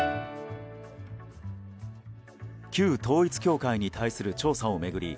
旧統一教会に対する調査を巡り